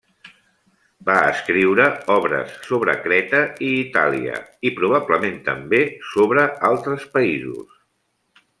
Va escriure obres sobre Creta i Itàlia i probablement també sobre altres països.